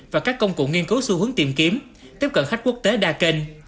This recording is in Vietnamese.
và các công cụ nghiên cứu xu hướng tìm kiếm tiếp cận khách quốc tế đa kênh